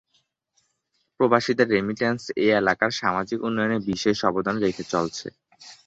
প্রবাসীদের রেমিটেন্স এ এলাকার সামাজিক উন্নয়নে বিশেষ অবদান রেখে চলছে।